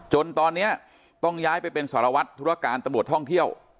จนตอนนี้ต้องย้ายไปเป็นสารวัตรธุรการตำรวจท่องเที่ยว